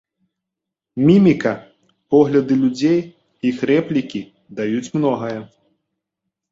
Міміка, погляды людзей, іх рэплікі даюць многае.